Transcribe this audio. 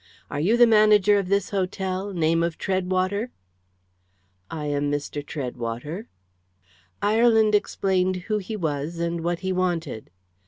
"Are you the manager of this hotel name of Treadwater?" "I am Mr. Treadwater." Ireland explained who he was, and what he wanted.